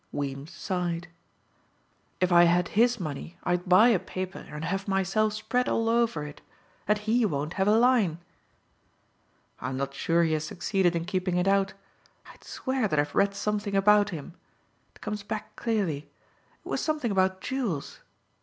Weems sighed. "If I had his money I'd buy a paper and have myself spread all over it. And he won't have a line." "I'm not sure he has succeeded in keeping it out. I'd swear that I've read something about him. It comes back clearly. It was something about jewels.